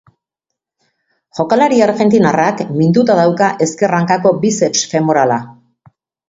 Jokalari argentinarrak minduta dauka ezker hankako bizeps femorala.